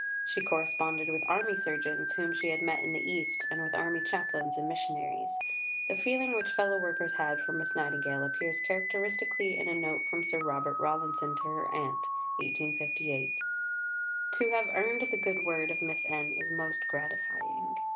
She corresponded with Army Surgeons whom she had met in the East, and with Army chaplains and missionaries. The feeling which fellow workers had for Miss Nightingale appears characteristically in a note from Sir Robert Rawlinson to her aunt (1858). "To have earned the good word of Miss N. is most gratifying.